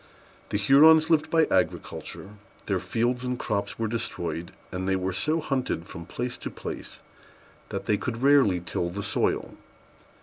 The Hurons lived by agriculture: their fields and crops were destroyed, and they were so hunted from place to place that they could rarely till the soil.